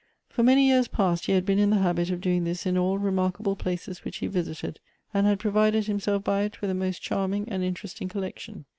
For many years past he had been in the habit of doing this ill all remarkable places which he visited, and had provi ded himself by it with a most charming and interesting collection.